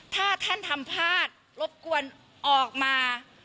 ถ้าท่านทำพลาดรบกวนออกมา